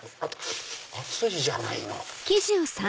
熱いじゃないの。